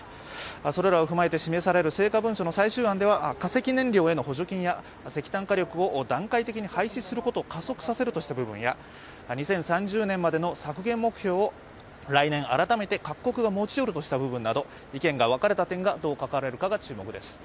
それらを踏まえて示される成果文書の最終案では化石燃料への補助金や石炭火力を段階的に廃止することを加速させるとした部分や２０３０年までの削減目標を来年、改めて各国が持ち寄るとした部分など意見が分かれた点がどう書かれるかが注目です。